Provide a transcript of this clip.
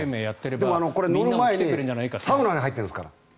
でも、乗る前にサウナに入ってるんですから。